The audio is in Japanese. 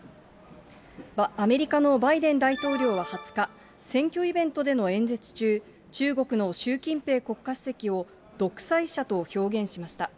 アメリカのバイデン大統領は２０日、選挙イベントでの演説中、中国の習近平国家主席を、独裁者と表現しました。